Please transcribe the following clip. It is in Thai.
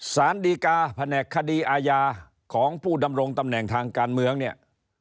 สารดีกาแผนกคดีอาญาของผู้ดำรงตำแหน่งทางการเมืองเนี่ย